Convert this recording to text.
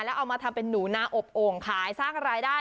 แล้วเอามาทำเป็นหนูนาอบโอ่งขายสร้างรายได้